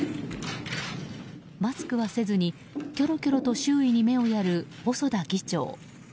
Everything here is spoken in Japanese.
マスクはせずにキョロキョロと周囲に目をやる細田議長。